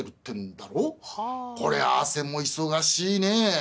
こりゃアセも忙しいね。